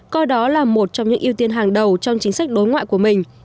coi đó là một trong những ưu tiên hàng đầu trong chính sách đối ngoại của mình